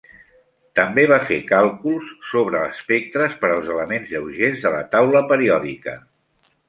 També va fer càlculs sobre espectres per als elements lleugers de la taula periòdica.